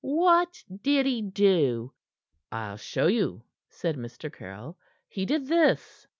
"What did he do?" "I'll show you," said Mr. Caryll. "He did this."